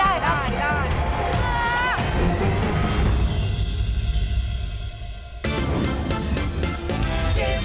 อ๊าว